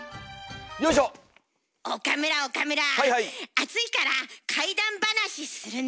暑いから怪談話するね。